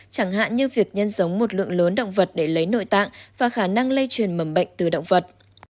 chẳng hạn như việc nhân giống một lượng lớn động vật để lấy nội tạng và khả năng lây truyền mầm bệnh từ động vật